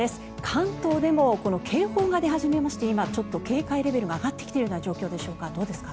関東でも警報が出始めまして今、警戒レベルが上がってきている状況でしょうか。